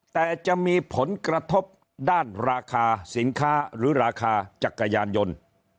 แต่จะมีผลกระทบด้านราคาสินค้าหรือราคาจักรยานยนต์